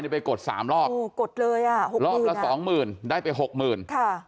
แล้วไปกดสามรอบรอบละสองหมื่นได้ไปหกหมื่น